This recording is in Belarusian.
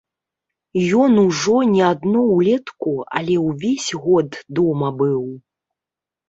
Ён ужо не адно ўлетку, але і ўвесь год дома быў.